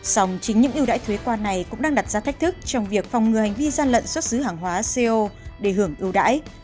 sòng chính những ưu đãi thuế quan này cũng đang đặt ra thách thức trong việc phòng ngừa hành vi gian lận xuất xứ hàng hóa co để hưởng ưu đãi